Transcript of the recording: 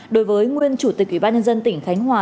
đối với nguyên chủ tịch ủy ban nhân dân tỉnh khánh hòa